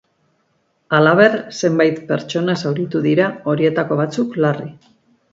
Halaber, zenbait pertsona zauritu dira, horietako batzuk larri.